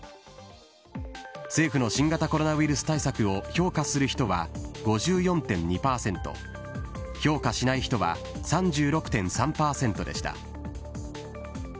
政府の新型コロナウイルス対策を評価する人は５４．２％、評価しない人は３６．３％でした。